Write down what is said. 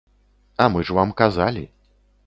А мы ж вам казалі.